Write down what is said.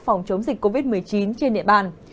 phòng chống dịch covid một mươi chín trên địa bàn